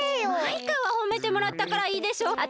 マイカはほめてもらったからいいでしょ！